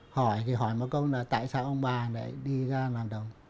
hỏi thì hỏi một câu là tại sao ông bà này đi ra làm đồng